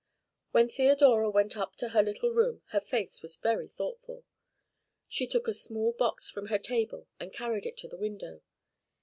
When Theodora went up to her little room her face was very thoughtful. She took a small box from her table and carried it to the window.